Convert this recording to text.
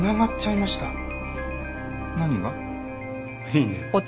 いいね。